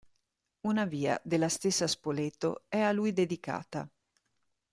Una via della stessa Spoleto è a lui dedicata.